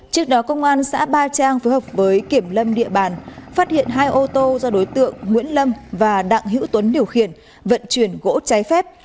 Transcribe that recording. trước đó công an xã ba trang phối hợp với kiểm lâm địa bàn phát hiện hai ô tô do đối tượng nguyễn lâm và đặng hữu tuấn điều khiển vận chuyển gỗ trái phép